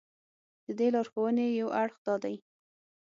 د دې لارښوونې یو اړخ دا دی.